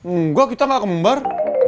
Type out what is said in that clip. enggak kita gak kembar